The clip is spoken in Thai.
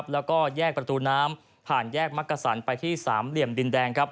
แล้วก็แยกประตูน้ำผ่านแยกมักกะสันไปที่สามเหลี่ยมดินแดง